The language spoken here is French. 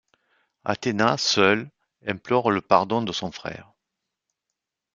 Athéna, seule, implore le pardon de son frère.